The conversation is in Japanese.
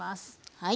はい。